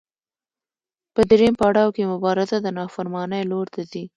په درېیم پړاو کې مبارزه د نافرمانۍ لور ته ځي.